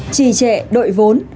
chỉ trệ đội vốn